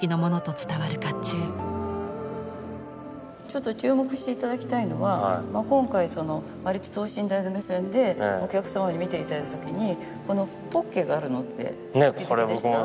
ちょっと注目して頂きたいのは今回わりと等身大の目線でお客様に見て頂いた時にポッケがあるのってお気付きでした？